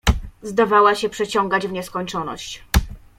"Zdawała się przeciągać w nieskończoność."